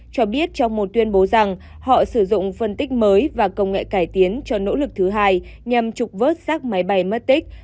cho biết trong một tuyên bố rằng họ sử dụng phân tích mới và công nghệ cải tiến cho nỗ lực thứ hai nhằm trục vớt rác máy bay mất tích